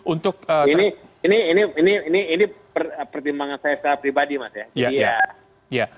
ini pertimbangan saya secara pribadi mas